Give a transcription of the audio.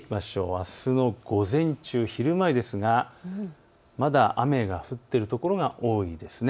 あすの午前中、昼前ですがまだ雨が降っている所が多いです。